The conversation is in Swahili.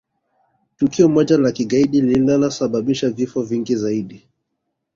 tukio moja la kigaidi lililosababisha vifo vingi zaidi